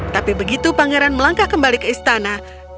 tapi begitu pangeran melangkah kembali ke istana